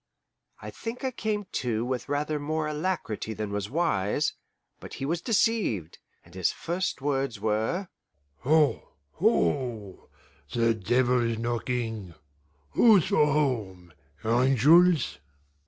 I think I came to with rather more alacrity than was wise, but he was deceived, and his first words were, "Ho, ho! the devil's knocking; who's for home, angels?"